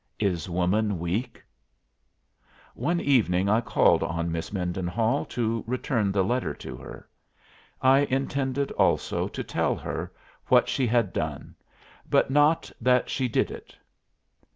Is woman weak? One evening I called on Miss Mendenhall to return the letter to her. I intended, also, to tell her what she had done but not that she did it.